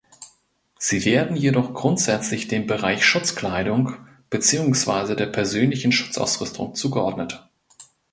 Sie werden jedoch grundsätzlich dem Bereich Schutzkleidung beziehungsweise der Persönlichen Schutzausrüstung zugeordnet.